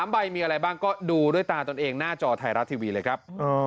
ใบมีอะไรบ้างก็ดูด้วยตาตนเองหน้าจอไทยรัฐทีวีเลยครับ